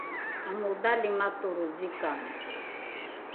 amodhali matolro zikange